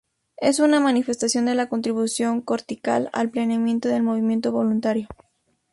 Es una manifestación de la contribución cortical al planeamiento del movimiento voluntario.